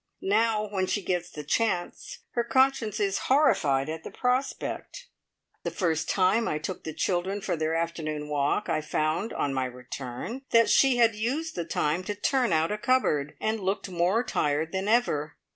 Now, when she gets the chance, her conscience is horrified at the prospect. The first time I took the children for their afternoon walk I found, on my return, that she had used the time to turn out a cupboard, and looked more tired than ever.